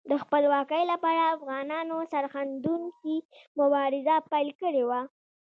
د خپلواکۍ لپاره افغانانو سرښندونکې مبارزه پیل کړې وه.